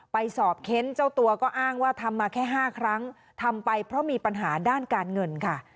ไปสอบเค้นเจ้าตัวก็อ้างว่าทำมาแค่๕ครั้งทำไปเพราะมีปัญหาด้านการเงินค่ะ